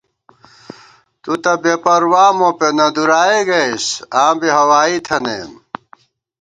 تُو تہ بے پروا مو پېنہ دُرائے گئیس آں بی ہوائی تھنَئیم